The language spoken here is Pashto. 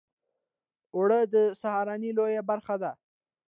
اوړه د سهارنۍ لویه برخه ده